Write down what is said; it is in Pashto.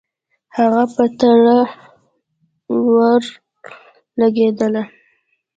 هغه په تړه ولګېدله.